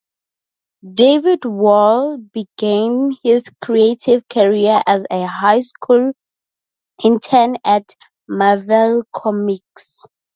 David Wohl began his creative career as a high school intern at Marvel Comics.